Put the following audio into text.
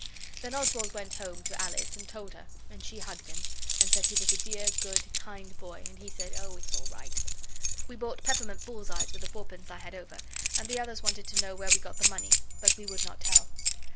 Then Oswald went home to Alice and told her, and she hugged him, and said he was a dear, good, kind boy, and he said 'Oh, it's all right.' We bought peppermint bullseyes with the fourpence I had over, and the others wanted to know where we got the money, but we would not tell.